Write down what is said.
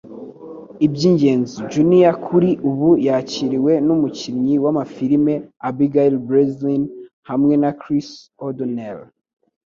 Ibyingenzi, Jr. kuri ubu yakiriwe n'umukinnyi w'amafirime Abigail Breslin, hamwe na Chris O'Donnell.